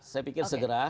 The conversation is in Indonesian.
saya pikir segera